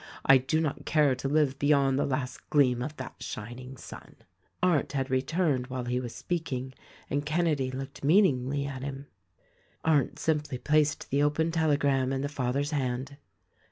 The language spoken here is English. I do not care to live beyond the last gleam of that shining sun." Arndt had returned while he was speaking and Kenedy looked meaningly at him. Arndt simply placed the open telegram in the father's hand.